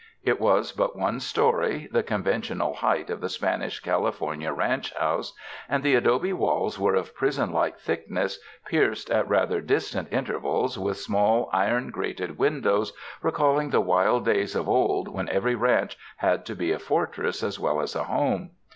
It was but one story, the conventional height of the Spanish California ranch house, and the adobe walls were of prison like thickness pierced at rather distant intervals with small iron grated windows, recalling the wild days of old when every ranch had to be a fortress as well as a home.